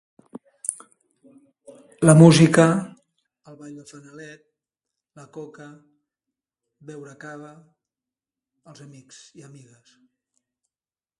La música, el ball del fanalet, la coca, beure cava, els amics i amigues.